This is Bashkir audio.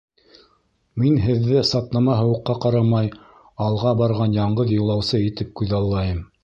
— Мин һеҙҙе сатнама һыуыҡҡа ҡарамай алға барған яңғыҙ юлаусы итеп күҙаллайым.